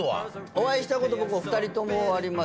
お会いしたこと２人ともあります。